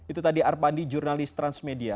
itu tadi arpandi jurnalis transmedia